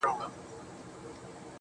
زه د جنتونو و اروا ته مخامخ يمه,